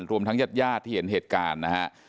รวมทั้งยาดที่เห็นเหตุการณ์นะฮะ